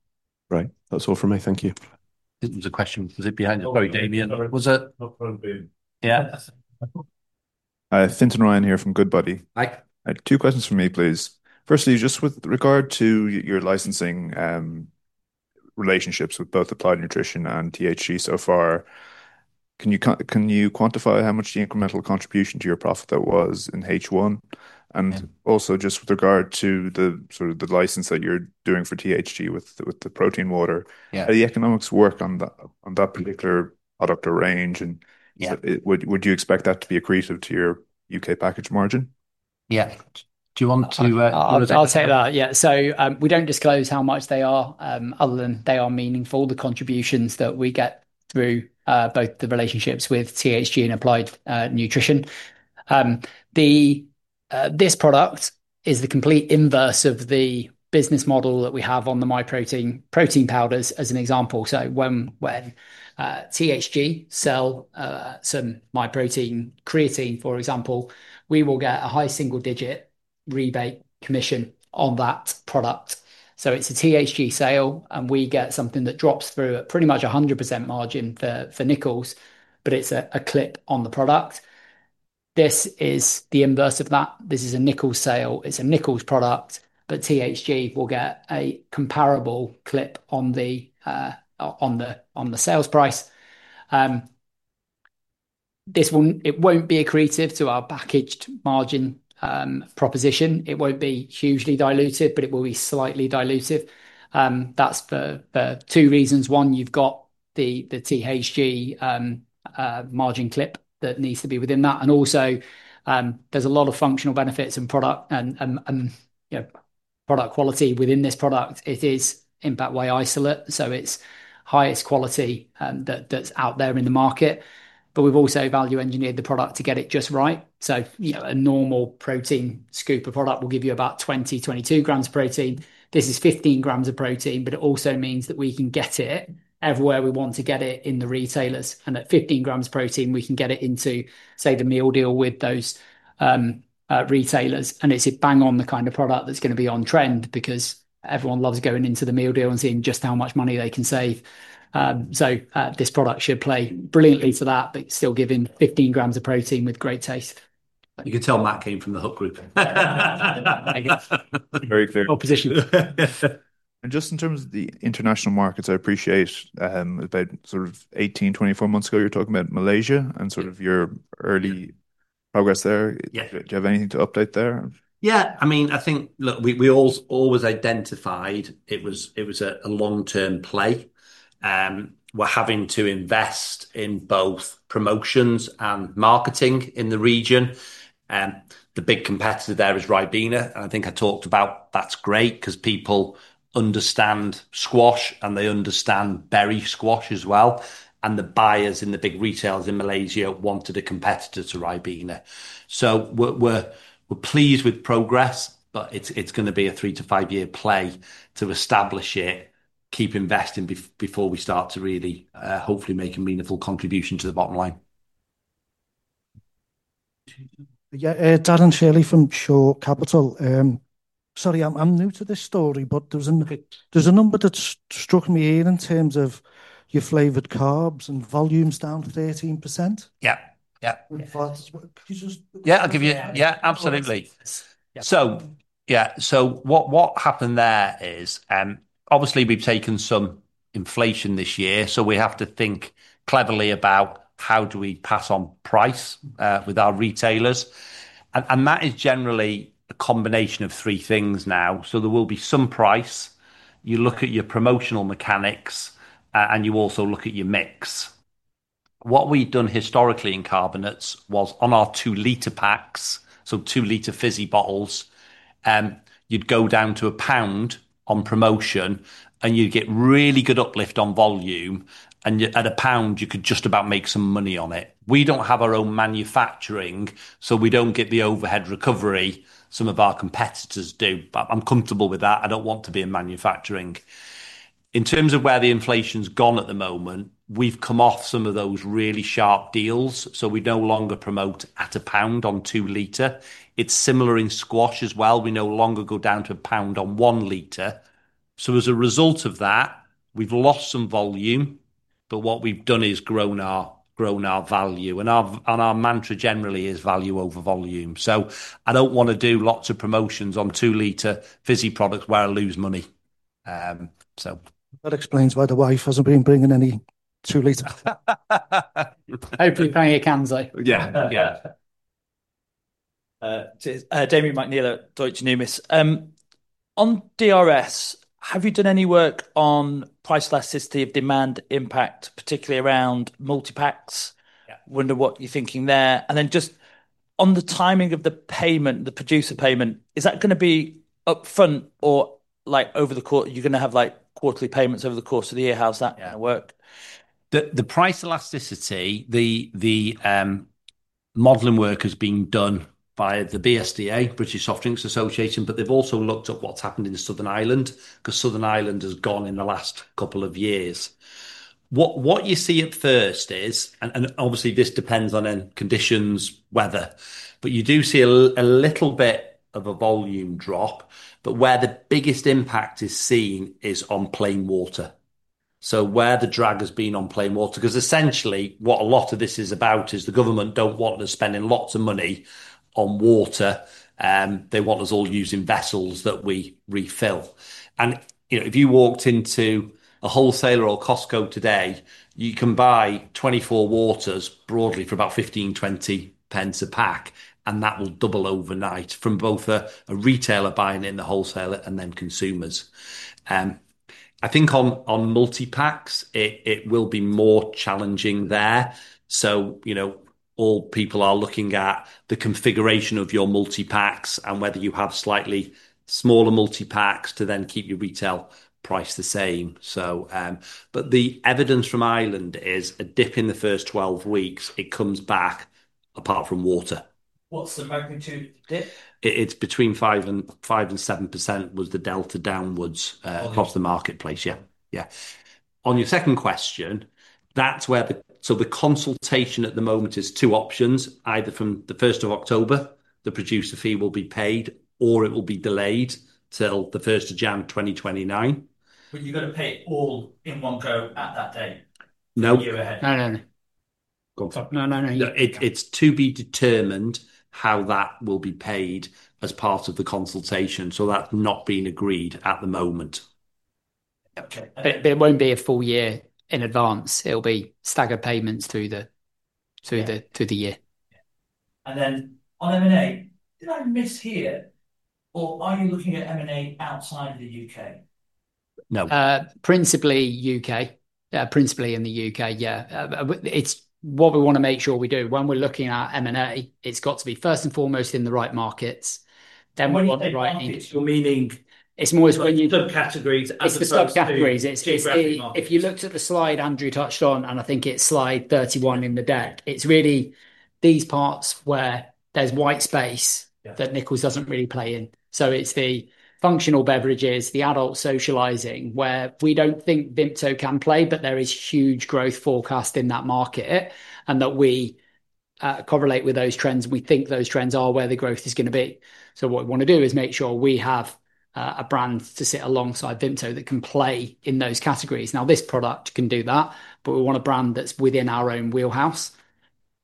Right. That's all from me. Thank you. There was a question. Was it behind? It was Damian. Was it? No. Fintan. Yeah. Fintan Ryan here from Goodbody. Hi. I had two questions from me, please. Firstly, just with regard to your licensing, relationships with both Applied Nutrition and THG so far, can you quantify how much the incremental contribution to your profit that was in H1? Yeah. Also just with regard to the sort of the license that you're doing for THG with the protein water. Yeah How are the economics work on that particular product or range? Yeah would you expect that to be accretive to your U.K. Package margin? Yeah. Do you want to- I'll take that. Yeah. We don't disclose how much they are, other than they are meaningful, the contributions that we get through, both the relationships with THG and Applied Nutrition. This product is the complete inverse of the business model that we have on the Myprotein protein powders as an example. When THG sell some Myprotein creatine, for example, we will get a high single-digit rebate commission on that product. It's a THG sale, and we get something that drops through at pretty much 100% margin for Nichols, it's a clip on the product. This is the inverse of that. This is a Nichols sale, it's a Nichols product, THG will get a comparable clip on the sales price. It won't be accretive to our packaged margin proposition. It won't be hugely diluted, it will be slightly dilutive. That's for two reasons. One, you've got the THG margin clip that needs to be within that. Also, there's a lot of functional benefits and product quality within this product. It is impact whey isolate, it's highest quality that's out there in the market. We've also value engineered the product to get it just right. A normal protein scooper product will give you about 20 g, 22 g of protein. This is 15 g of protein, it also means that we can get it everywhere we want to get it in the retailers, and at 15 g of protein, we can get it into, say, the meal deal with those retailers. It's a bang on the kind of product that's going to be on trend because everyone loves going into the meal deal and seeing just how much money they can save. This product should play brilliantly to that, but still giving 15 g of protein with great taste. You could tell Matt came from the THG plc. Very clear. Opposition. Just in terms of the international markets, I appreciate, about sort of 18, 24 months ago, you were talking about Malaysia and sort of your early progress there. Yeah. Do you have anything to update there? I think, look, we always identified it was a long-term play. We are having to invest in both promotions and marketing in the region. The big competitor there is Ribena, and I think I talked about that is great because people understand Squash, and they understand berry squash as well. The buyers in the big retailers in Malaysia wanted a competitor to Ribena. We are pleased with progress, but it is going to be a three to five-year play to establish it, keep investing before we start to really, hopefully make a meaningful contribution to the bottom line. Darren Shirley from Shore Capital. Sorry, I am new to this story, but there is a number that struck me here in terms of your Flavoured Carbs and volumes down to 13%. Yeah. Could you just- What happened there is, obviously we've taken some inflation this year. We have to think cleverly about how do we pass on price with our retailers. That is generally a combination of three things now. There will be some price. You look at your promotional mechanics. You also look at your mix. What we'd done historically in Carbonates was on our 2 L packs. 2 L fizzy bottles, you'd go down to a GBP 1 on promotion and you'd get really good uplift on volume, and at GBP 1 you could just about make some money on it. We don't have our own manufacturing, so we don't get the overhead recovery some of our competitors do. I'm comfortable with that. I don't want to be in manufacturing. In terms of where the inflation's gone at the moment, we've come off some of those really sharp deals, so we no longer promote at a GBP 1 on 2 L. It's similar in Squash as well. We no longer go down to a GBP 1 on 1 L. As a result of that, we've lost some volume. What we've done is grown our value. Our mantra generally is value over volume. I don't want to do lots of promotions on 2 L fizzy products where I lose money. That explains why the wife hasn't been bringing any 2 L. Hopefully paying a can though. Yeah. Yeah. Damian McNeela at Deutsche Numis. On DRS, have you done any work on price elasticity of demand impact, particularly around multipacks? Yeah. Wonder what you're thinking there. Just on the timing of the payment, the producer payment, is that going to be upfront or you're going to have quarterly payments over the course of the year? How's that going to work? Yeah. The price elasticity, the modeling work is being done by the BSDA, British Soft Drinks Association, they've also looked at what's happened in Southern Ireland, because Southern Ireland has gone in the last couple of years. What you see at first is, and obviously this depends on conditions, weather, you do see a little bit of a volume drop, where the biggest impact is seen is on plain water, where the drag has been on plain water because essentially what a lot of this is about is the government don't want us spending lots of money on water. They want us all using vessels that we refill. If you walked into a wholesaler or Costco today, you can buy 24 waters broadly for about 0.15, 0.20 a pack, that will double overnight from both a retailer buying it and the wholesaler and consumers. I think on multipacks, it will be more challenging there. All people are looking at the configuration of your multipacks and whether you have slightly smaller multipacks to then keep your retail price the same. The evidence from Ireland is a dip in the first 12 weeks, it comes back apart from water. What's the magnitude of the dip? It's between 5% and 7% was the delta downwards across the marketplace. Yeah. On your second question, the consultation at the moment is two options. Either from the 1st of October the producer fee will be paid, or it will be delayed till the 1st of January 2029. You've got to pay it all in one go at that date- No. -a year ahead. No. Go on, Matt. No. It's to be determined how that will be paid as part of the consultation. That's not been agreed at the moment. Okay. There won't be a full year in advance. It'll be staggered payments through the year. Yeah. Then on M&A, did I mishear or are you looking at M&A outside of the U.K.? No. Principally U.K. Principally in the U.K. Yeah. It's what we want to make sure we do. When we're looking at M&A, it's got to be first and foremost in the right markets. We want the right- When you say markets, you're meaning- It's more as when. Subcategories as opposed to- It's the subcategories. -geographic markets. If you looked at the slide Andrew touched on, I think it's slide 31 in the deck, it's really these parts where there's white space. Yeah That Nichols doesn't really play in. It's the functional beverages, the adult socializing, where we don't think Vimto can play, there is huge growth forecast in that market, that we correlate with those trends, we think those trends are where the growth is going to be. What we want to do is make sure we have a brand to sit alongside Vimto that can play in those categories. This product can do that, we want a brand that's within our own wheelhouse.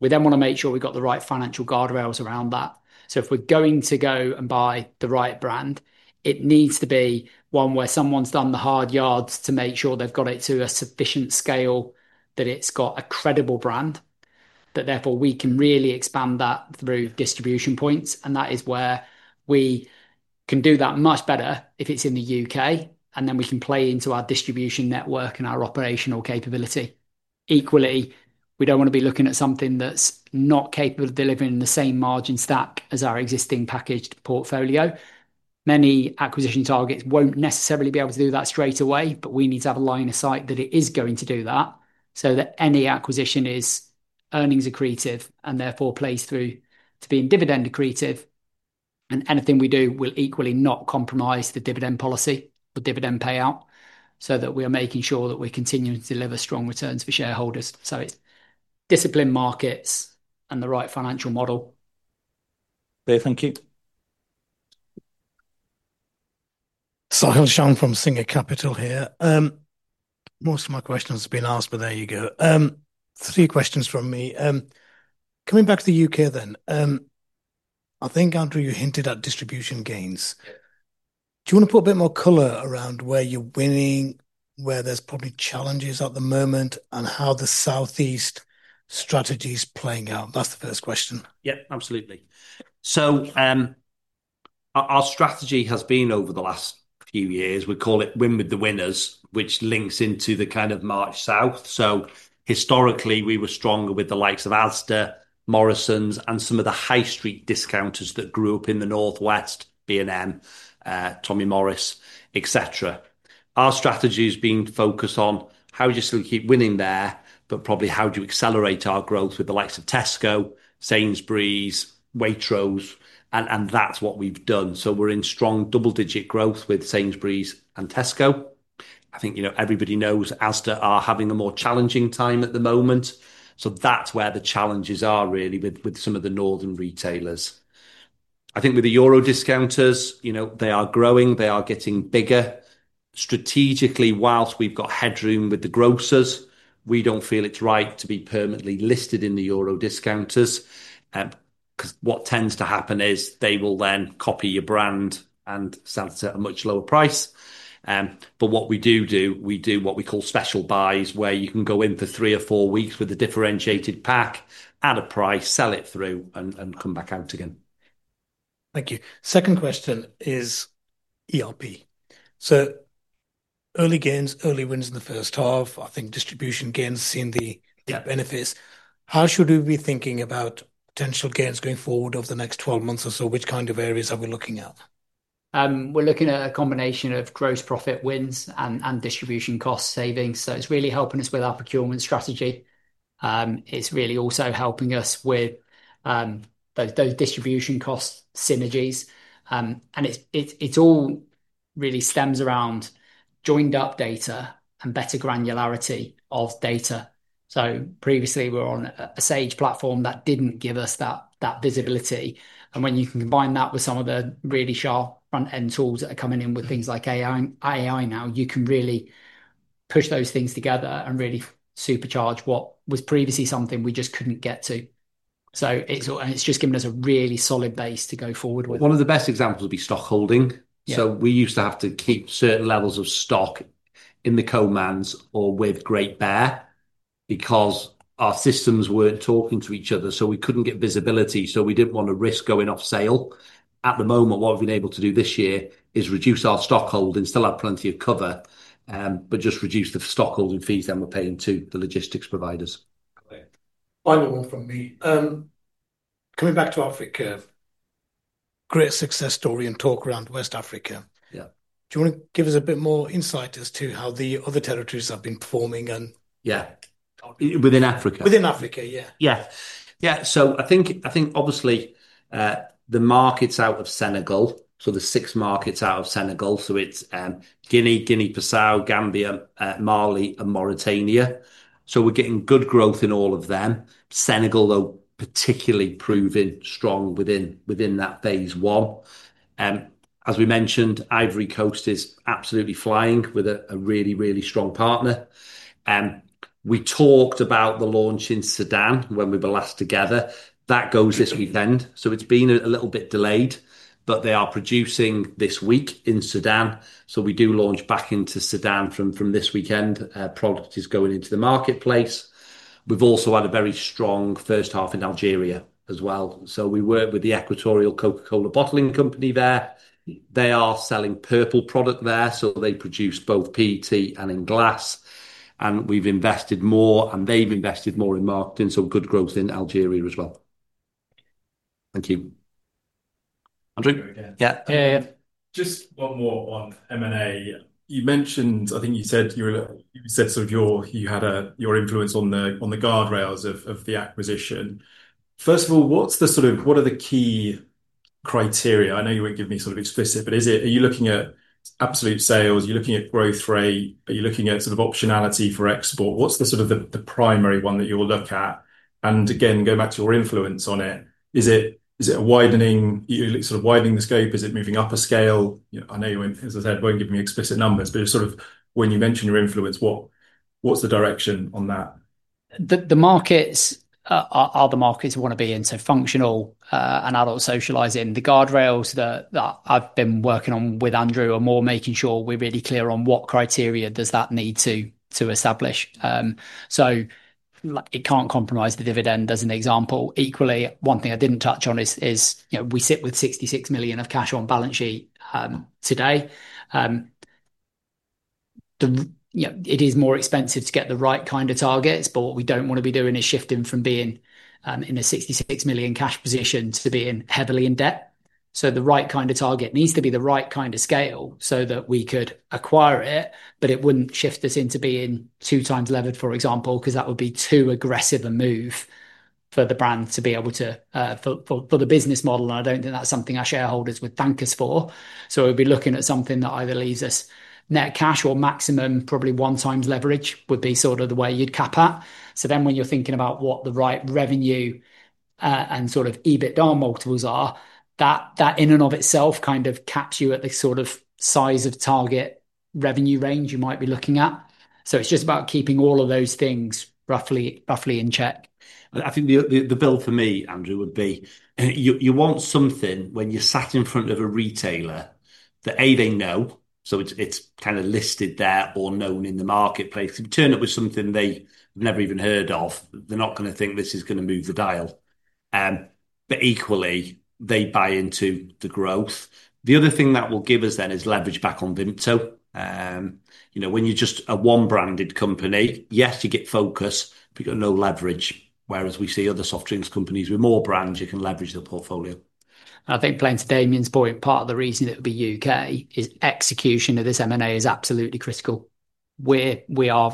We want to make sure we've got the right financial guardrails around that. If we're going to go and buy the right brand, it needs to be one where someone's done the hard yards to make sure they've got it to a sufficient scale that it's got a credible brand. That therefore we can really expand that through distribution points, that is where we can do that much better if it's in the U.K. then we can play into our distribution network and our operational capability. Equally, we don't want to be looking at something that's not capable of delivering the same margin stack as our existing packaged portfolio. Many acquisition targets won't necessarily be able to do that straight away, we need to have a line of sight that it is going to do that, so that any acquisition is earnings accretive and therefore plays through to being dividend accretive. Anything we do will equally not compromise the dividend policy or dividend payout, so that we are making sure that we're continuing to deliver strong returns for shareholders. It's disciplined markets and the right financial model. Thank you. Sahill Shan from Singer Capital here. Most of my questions have been asked. There you go. Three questions from me. Coming back to the U.K., I think, Andrew, you hinted at distribution gains. Yeah. Do you want to put a bit more color around where you're winning, where there's probably challenges at the moment, and how the Southeast strategy's playing out? That's the first question. Absolutely. Our strategy has been over the last few years, we call it Win With the Winners, which links into the kind of march south. Historically, we were stronger with the likes of Asda, Morrisons, and some of the high street discounters that grew up in the Northwest, B&M, Home Bargains, et cetera. Our strategy has been focused on how do you still keep winning there, probably how do you accelerate our growth with the likes of Tesco, Sainsbury's, Waitrose, that's what we've done. We're in strong double-digit growth with Sainsbury's and Tesco. I think everybody knows Asda are having a more challenging time at the moment. That's where the challenges are, really, with some of the northern retailers. I think with the euro discounters, they are growing, they are getting bigger. Strategically, whilst we've got headroom with the grocers, we don't feel it's right to be permanently listed in the euro discounters, because what tends to happen is they will then copy your brand and sell it at a much lower price. What we do, we do what we call special buys, where you can go in for three or four weeks with a differentiated pack at a price, sell it through, and come back out again. Thank you. Second question is ERP. Early gains, early wins in the first half. I think distribution gains seeing the- Yep -benefits. How should we be thinking about potential gains going forward over the next 12 months or so? Which kind of areas are we looking at? We're looking at a combination of gross profit wins and distribution cost savings. It's really helping us with our procurement strategy. It's really also helping us with those distribution cost synergies. It all really stems around joined up data and better granularity of data. Previously, we were on a Sage platform that didn't give us that visibility, and when you can combine that with some of the really sharp front end tools that are coming in with things like AI now, you can really push those things together and really supercharge what was previously something we just couldn't get to. It's just given us a really solid base to go forward with. One of the best examples would be stockholding. Yeah. We used to have to keep certain levels of stock in the co-mans or with Great Bear because our systems weren't talking to each other, so we couldn't get visibility, so we didn't want to risk going off sale. At the moment, what we've been able to do this year is reduce our stockholding, still have plenty of cover, but just reduce the stockholding fees that we're paying to the logistics providers. Got it. Final one from me. Coming back to Africa, great success story and talk around West Africa. Yeah. Do you want to give us a bit more insight as to how the other territories have been performing. Yeah. Within Africa? Within Africa, yeah. Yeah. I think obviously, the markets out of Senegal, so the six markets out of Senegal, so it is Guinea-Bissau, Gambia, Mali, and Mauritania. We are getting good growth in all of them. Senegal, though, particularly proving strong within that phase one. As we mentioned, Ivory Coast is absolutely flying with a really, really strong partner. We talked about the launch in Sudan when we were last together. That goes this weekend. It has been a little bit delayed, but they are producing this week in Sudan. We do launch back into Sudan from this weekend. Product is going into the marketplace. We have also had a very strong first half in Algeria as well. We work with the Equatorial Coca-Cola Bottling Company there. They are selling purple product there, so they produce both PET and in glass. We have invested more, and they have invested more in marketing, good growth in Algeria as well. Thank you. Andrew? Go again. Yeah. Yeah. Just one more on M&A. You mentioned, I think you said sort of you had your influence on the guardrails of the acquisition. First of all, what are the key criteria? I know you won't give me sort of explicit, but are you looking at absolute sales? Are you looking at growth rate? Are you looking at sort of optionality for export? What's the sort of the primary one that you will look at? And again, going back to your influence on it, is it widening the scope? Is it moving up a scale? I know you, as I said, won't give me explicit numbers, but just sort of when you mention your influence, what's the direction on that? The markets are the markets we want to be in, so functional and adult socializing. The guardrails that I've been working on with Andrew are more making sure we're really clear on what criteria does that need to establish. It can't compromise the dividend as an example. Equally, one thing I didn't touch on is we sit with 66 million of cash on balance sheet today. It is more expensive to get the right kind of targets, but what we don't want to be doing is shifting from being in a 66 million cash position to being heavily in debt. The right kind of target needs to be the right kind of scale so that we could acquire it, but it wouldn't shift us into being 2x levered, for example, because that would be too aggressive a move for the business model. I don't think that's something our shareholders would thank us for. We'd be looking at something that either leaves us net cash or maximum probably 1x leverage would be sort of the way you'd cap at. When you're thinking about what the right revenue, and sort of EBITDA multiples are, that in and of itself kind of caps you at the sort of size of target revenue range you might be looking at. It's just about keeping all of those things roughly in check. I think the bill for me, Andrew, would be you want something when you're sat in front of a retailer that, A, they know, so it's kind of listed there or known in the marketplace. If you turn up with something they never even heard of, they're not going to think this is going to move the dial. Equally, they buy into the growth. The other thing that will give us then is leverage back on Vimto. When you're just a one-branded company, yes, you get focus, but you got no leverage. Whereas we see other soft drinks companies with more brands, you can leverage the portfolio. I think playing to Damian's point, part of the reason it will be U.K. is execution of this M&A is absolutely critical, where we're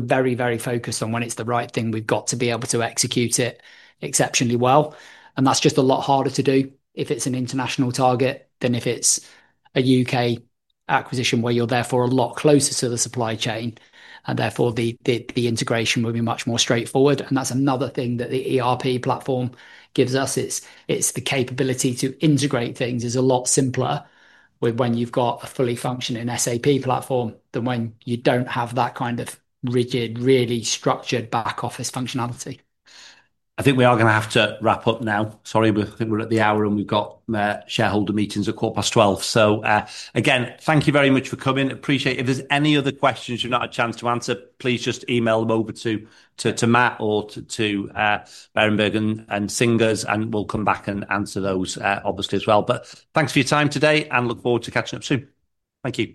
very focused on when it's the right thing, we've got to be able to execute it exceptionally well, and that's just a lot harder to do if it's an international target than if it's a U.K. acquisition where you're therefore a lot closer to the supply chain, and therefore the integration will be much more straightforward, and that's another thing that the ERP platform gives us. It's the capability to integrate things is a lot simpler when you've got a fully functioning SAP platform than when you don't have that kind of rigid, really structured back office functionality. I think we are going to have to wrap up now. Sorry, I think we're at the hour, and we've got shareholder meetings at 12:15 P.M. Again, thank you very much for coming. Appreciate it. If there's any other questions we've not had a chance to answer, please just email them over to Matt or to Berenberg and Singers, and we'll come back and answer those, obviously, as well. Thanks for your time today, and look forward to catching up soon. Thank you